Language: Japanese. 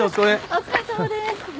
お疲れさまです。